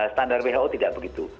standar who tidak begitu